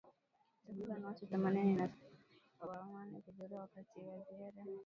Takribani watu themanini na saba wameuawa na mamia kujeruhiwa wakati wa zaidi ya